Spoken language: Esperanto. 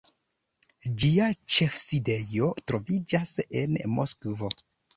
Ĝia ĉefsidejo troviĝas en Moskvo.